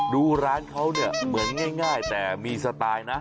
ดูร้านเขาเนี่ยเหมือนง่ายแต่มีสไตล์นะ